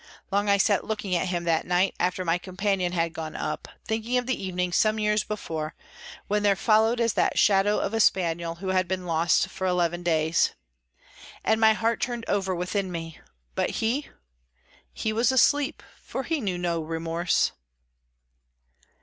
Long I sat looking at him that night after my companion had gone up, thinking of the evening, some years before, when there followed as that shadow of a spaniel who had been lost for eleven days. And my heart turned over within me. But he! He was asleep, for he knew not remorse.